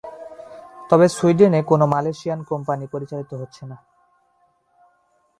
তবে সুইডেনে কোনো Malaysian company পরিচালিত হচ্ছে না।